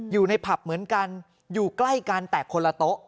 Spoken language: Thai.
อยู่ในผับเหมือนกันอยู่ใกล้กันแต่คนละโต๊ะ